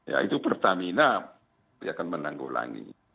ya itu pertamina akan menanggulangi